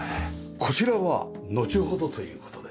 こちらはのちほどという事で。